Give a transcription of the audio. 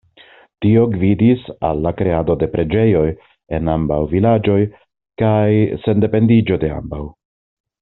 Tio gvidis al la kreado de preĝejoj en ambaŭ vilaĝoj kaj sendependiĝo de ambaŭ.